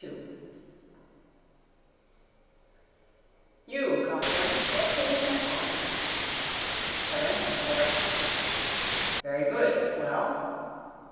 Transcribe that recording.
[ 2 ] —You, Cochrane, what city sent for him? —Tarentum, sir. —Very good. Well?